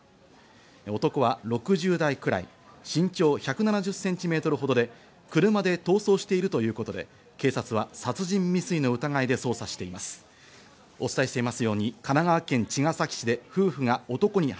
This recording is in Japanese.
男は６０代くらい、身長１７０ｃｍほどで車で逃走しているということで、警察は殺人未遂の疑いで男の行方を追っています。